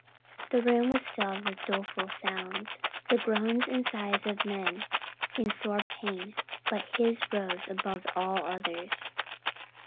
The room was filled with doleful sounds, the groans and sighs of men in sore pain, but his rose above all others.